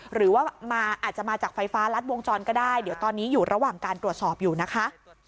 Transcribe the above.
หรือว่าอาจจะมาจากไฟฟ้ารัดวงจรก็ได้เดี๋ยวตอนนี้อยู่ระหว่างการตรวจสอบอยู่นะคะ